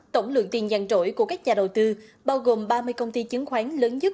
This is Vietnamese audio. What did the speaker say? tổng lượng tiền giàn trỗi của các nhà đầu tư bao gồm ba mươi công ty chứng khoán lớn nhất